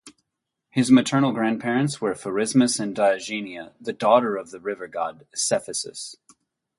His maternal grandparents were Phrasimus and Diogenia, the daughter of the river god Cephissus.